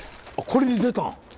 これに出たん？